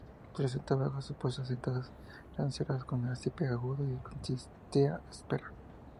Presenta hojas opuestas, sentadas, lanceoladas con ápice agudo y de consistencia aspera.